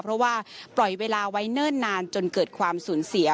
เพราะว่าปล่อยเวลาไว้เนิ่นนานจนเกิดความสูญเสีย